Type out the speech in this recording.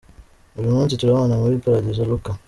"Uyu munsi turabana muri Paradizo" Luka :.